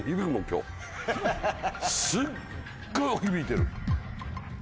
すっごい響いてる。